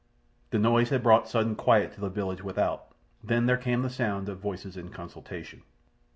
The noise had brought sudden quiet to the village without. Then there came the sound of voices in consultation.